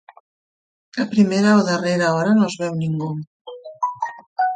A primera o darrera hora no es veu ningú.